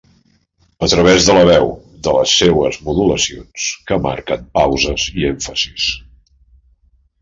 A través de la veu, de les seues modulacions, que marquen pauses i èmfasis.